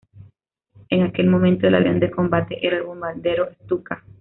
En aquel momento el avión de combate era el bombardero Stuka.